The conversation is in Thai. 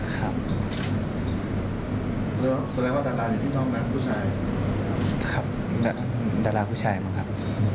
ครับดราผู้ชายบ้างครับ